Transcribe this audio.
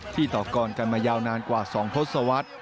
ที่ต่อกรกันกันมายาวนานกว่าสองพศวรรษ